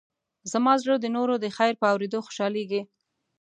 زما زړه د نورو د خیر په اورېدو خوشحالېږي.